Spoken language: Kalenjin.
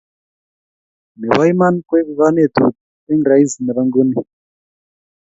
Nebo iman ko egu konetut eng Rais nemi nguni